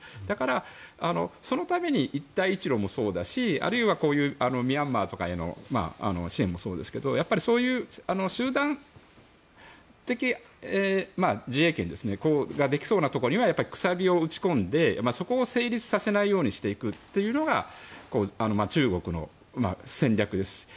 だから、そのために一帯一路もそうだしあるいは、ミャンマーとかへの支援もそうですがやっぱりそういう集団的自衛権ができそうなところにはくさびを打ち込んでそこを成立させないようにしていくというのが中国の戦略です。